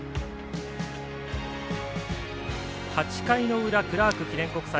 ８回の裏、クラーク記念国際。